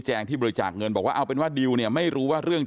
ที่บริจาคเงินบอกว่าเอาเป็นว่าดิวเนี่ยไม่รู้ว่าเรื่อง